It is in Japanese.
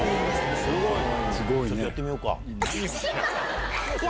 すごいね。